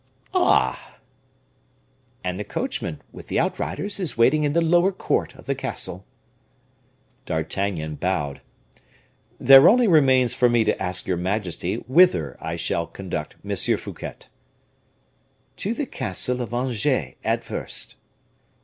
"Ah!" "And the coachman, with the outriders, is waiting in the lower court of the castle." D'Artagnan bowed. "There only remains for me to ask your majesty whither I shall conduct M. Fouquet." "To the castle of Angers, at first."